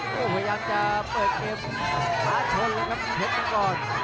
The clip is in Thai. ก็พยายามจะเปิดเกมภาชนนะครับเผ็ดมันก่อน